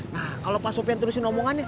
nah kalau mas sofyan terusin omongannya